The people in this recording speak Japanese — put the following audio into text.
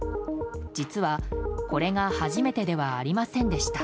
実は、これが初めてではありませんでした。